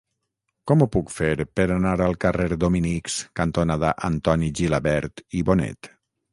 Com ho puc fer per anar al carrer Dominics cantonada Antoni Gilabert i Bonet?